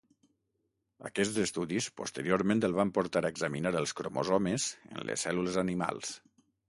Aquests estudis posteriorment el van portar a examinar els cromosomes en les cèl·lules animals.